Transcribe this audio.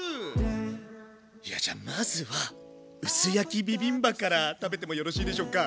いやじゃまずは薄焼きビビンバから食べてもよろしいでしょうか？